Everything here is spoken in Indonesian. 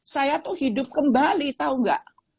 saya tuh hidup kembali tau gak